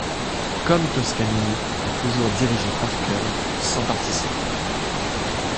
Comme Toscanini, a toujours dirigé par cœur, sans partition.